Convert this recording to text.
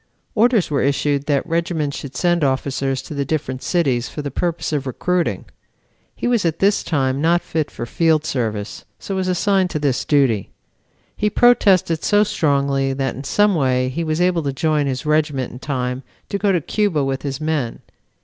Orders were issued that regiments should send officers to the different cities for the purpose of recruiting. He was at this time not fit for field service, so was assigned to this duty. He protested so strongly that in some way he was able to join his regiment in time to go to Cuba with his men.